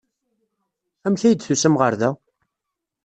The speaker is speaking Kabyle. Amek ay d-tusam ɣer da?